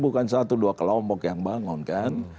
bukan satu dua kelompok yang bangun kan